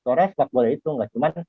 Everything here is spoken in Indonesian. suara sepak bola itu nggak cuma